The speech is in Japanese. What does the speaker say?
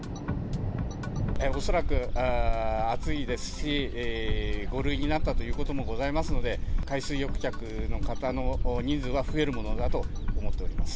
恐らく暑いですし、５類になったということもございますので、海水浴客の方のニーズは増えるものだと思っております。